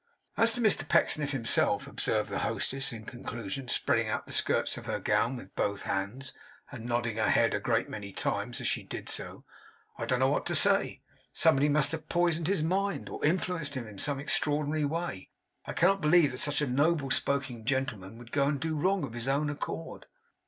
'As to Mr Pecksniff himself,' observed the hostess in conclusion, spreading out the skirts of her gown with both hands, and nodding her head a great many times as she did so, 'I don't know what to say. Somebody must have poisoned his mind, or influenced him in some extraordinary way. I cannot believe that such a noble spoken gentleman would go and do wrong of his own accord!